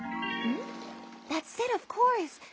ん？